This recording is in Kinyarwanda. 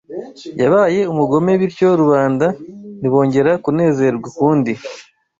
Yabaye umugome bityo rubanda ntibongera kunezerwa ukundi